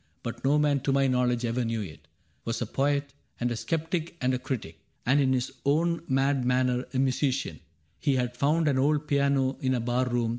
But no man to my knowledge ever knew it) Was a poet and a skeptic and a critic, And in his own mad manner a musician : He had found an old piano in a bar room.